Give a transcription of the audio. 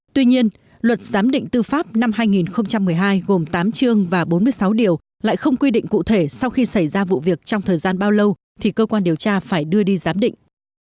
tuy nhiên luật giám định tư pháp năm hai nghìn một mươi hai gồm tám chương và bốn mươi sáu điều lại không quy định cụ thể sau khi xảy ra vụ việc trong thời gian bao lâu thì cơ quan điều tra phải đưa đi giám định